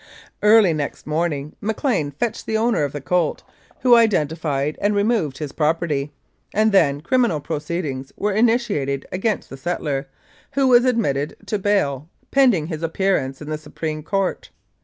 289 Mounted Police Life in Canada Early next morning McLean fetched the owner of the colt, who identified and removed his property, and then criminal proceedings were initiated against the settler, who was admitted to bail pending his appearance in the Supreme Court.